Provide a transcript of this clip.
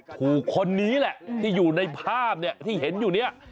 ถูกคนนี้แหละที่อยู่ในภาพที่เห็นอยู่นี้